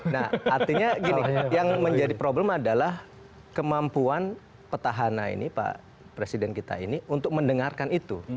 nah artinya gini yang menjadi problem adalah kemampuan petahana ini pak presiden kita ini untuk mendengarkan itu